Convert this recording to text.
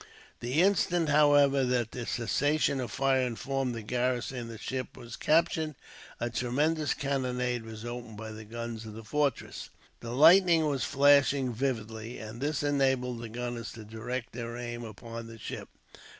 The instant, however, that the cessation of fire informed the garrison the ship was captured, a tremendous cannonade was opened by the guns of the fortress. The lightning was flashing vividly, and this enabled the gunners to direct their aim upon the ship.